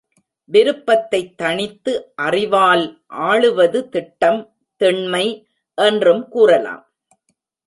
விருப்பத்தைத் தணித்து அறிவால் ஆளுவது திட்டம் திண்மை என்றும் கூறலாம்.